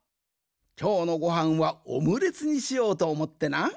きょうのごはんはオムレツにしようとおもってな。